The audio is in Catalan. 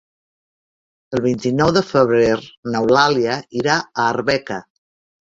El vint-i-nou de febrer n'Eulàlia irà a Arbeca.